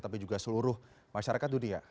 tapi juga seluruh masyarakat dunia